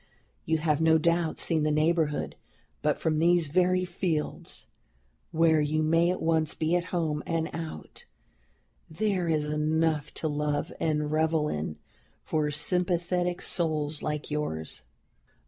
You have no doubt seen the neighborhood; but from these very fields, where you may at once be at home and out, there is enough to love and revel in for sympathetic souls like yours.